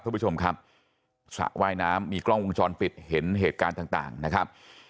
คุณผู้ชมครับสระว่ายน้ำมีกล้องวงจรปิดเห็นเหตุการณ์ต่างนะครับ